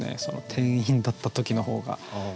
店員だった時の方が。